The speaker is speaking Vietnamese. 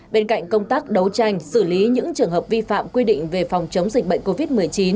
bên cạnh công tác đấu tranh xử lý những trường hợp vi phạm quy định về phòng chống dịch bệnh covid một mươi chín